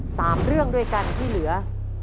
สามเรื่องด้วยกันที่เหลือ